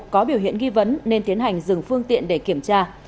có biểu hiện nghi vấn nên tiến hành dừng phương tiện để kiểm tra